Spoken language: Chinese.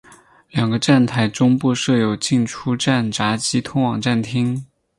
两个站台中部设有进出站闸机通往站厅。